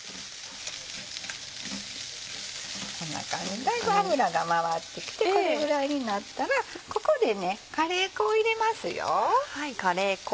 こんな感じでだいぶ脂が回ってきてこれぐらいになったらここでカレー粉を入れますよ。